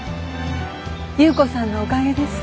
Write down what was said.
優子さんのおかげです。